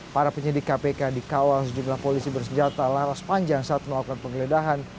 para penyidik kpk dikawal sejumlah polisi bersenjata laras panjang saat melakukan penggeledahan